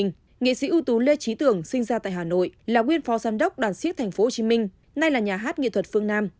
nghệ sĩ ưu tú lê trí tưởng sinh ra tại hà nội là nguyên phó giám đốc đoàn siếc tp hcm nay là nhà hát nghệ thuật phương nam